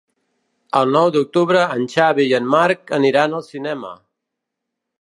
El nou d'octubre en Xavi i en Marc aniran al cinema.